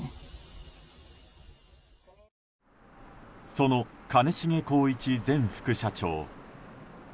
その兼重宏一前副社長。